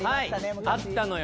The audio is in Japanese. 昔あったのよ